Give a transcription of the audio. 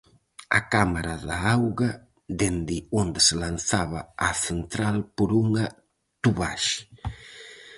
A cámara da auga dende onde se lanzaba á central por unha tubaxe.